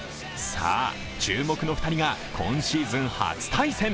さぁ、注目の２人が今シーズン初対戦。